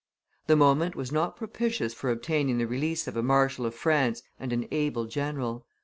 The moment was not propitious for obtaining the release of a marshal of France and an able general.